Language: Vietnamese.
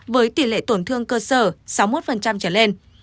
với tỷ lệ tổn thương cơ sở sáu mươi một trở lên